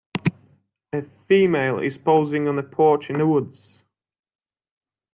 A female is posing on a porch in the woods.